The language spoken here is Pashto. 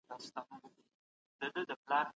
موږ تل عدالت غوښتلی دی.